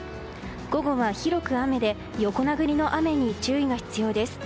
午後は広く雨で横殴りの雨に注意が必要です。